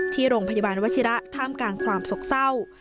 ที่โรงพยาบาลวัชฌีระท่ามกรรคสกศัล